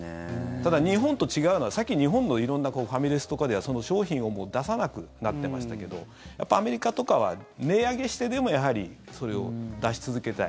ただ、日本と違うのはさっき日本の色んなファミレスとかでは商品を出さなくなってましたけどアメリカとかは値上げしてでもやはりそれを出し続けたい。